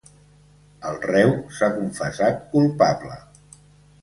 El reu s'ha confessat culpable.